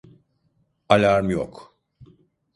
Alarm yok.